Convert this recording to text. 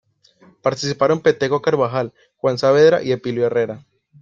Participaron Peteco Carabajal, Juan Saavedra y Elpidio Herrera.